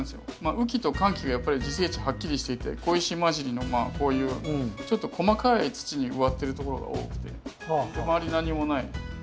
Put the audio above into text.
雨季と乾季がやっぱり自生地はっきりしていて小石まじりのこういうちょっと細かい土に植わってるところが多くて周り何もない。